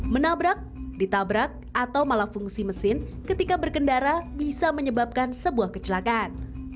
menabrak ditabrak atau malah fungsi mesin ketika berkendara bisa menyebabkan sebuah kecelakaan